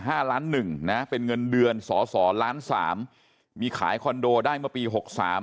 ห้าล้านหนึ่งนะเป็นเงินเดือนสอสอล้านสามมีขายคอนโดได้เมื่อปีหกสาม